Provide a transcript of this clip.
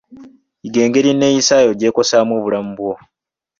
Yiga engeri eneeyisa yo gy'ekosaamu obulamu bwo.